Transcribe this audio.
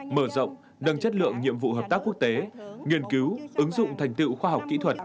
mở rộng nâng chất lượng nhiệm vụ hợp tác quốc tế nghiên cứu ứng dụng thành tựu khoa học kỹ thuật